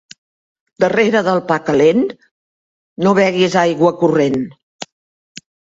Darrere del pa calent no beguis aigua corrent.